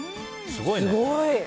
すごいね。